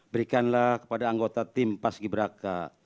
berikanlah kepada anggota tim pas ki braka